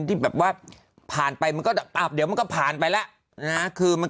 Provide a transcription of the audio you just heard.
ที่แบบว่าผ่านไปมันก็อับเดี๋ยวมันก็ผ่านไปแล้วนะคือมัน